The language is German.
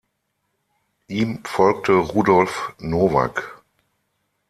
Ihm folgte Rudolf Novak.